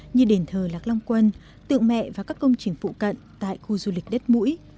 như đền thờ lạc long quân tượng mẹ và các công trình phụ cận tại khu du lịch đất mũi